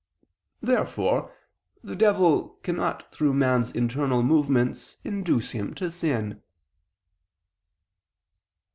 Therefore the devil cannot through man's internal movements induce him to sin.